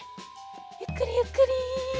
ゆっくりゆっくり。